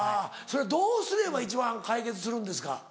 それはどうすれば一番解決するんですか？